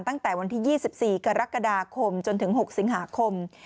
ตั้งแต่วันที่ยี่สิบสี่กรกฎาคมจนถึงหกสิงหาคม